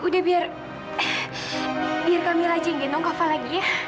udah biar kami rajin kava lagi ya